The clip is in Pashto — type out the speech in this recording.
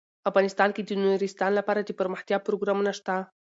افغانستان کې د نورستان لپاره دپرمختیا پروګرامونه شته.